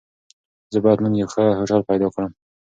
زه بايد نن يو ښه هوټل پيدا کړم.